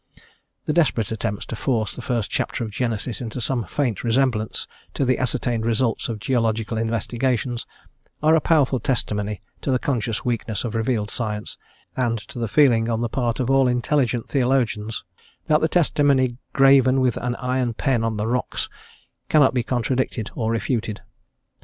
The desperate attempts to force the first chapter of Genesis into some faint resemblance to the ascertained results of geological investigations are a powerful testimony to the conscious weakness of revealed science and to the feeling on the part of all intelligent theologians that the testimony graven with an iron pen on the rocks cannot be contradicted or refuted.